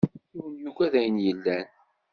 Yiwen yugad ayen yellan.